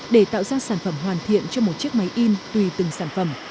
để tạo ra sản phẩm hoàn thiện cho một chiếc máy in tùy từng sản phẩm